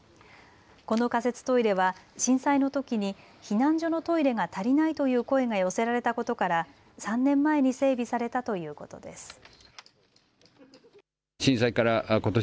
この仮設トイレは震災のときに避難所のトイレが足りないという声が寄せられたことから３年前に整備されたということです。